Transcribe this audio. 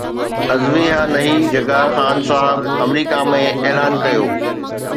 ازويها نهي جگا خان صاحب آمريڪا ۾ اعلان ڪيو